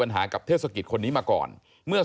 ถ้าเขาถูกจับคุณอย่าลืม